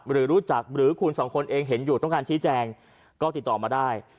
หรือรู้จักหรือคุณสองคนเองเห็นอยู่ต้องการชี้แจงก็ติดต่อมาได้